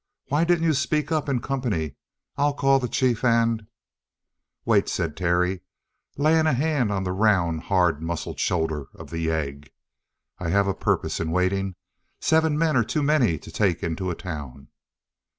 Why didn't you speak up in company? I'll call the chief and " "Wait," said Terry, laying a hand on the round, hard muscled shoulder of the yegg. "I had a purpose in waiting. Seven men are too many to take into a town."